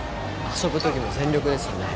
遊ぶ時も全力ですよね。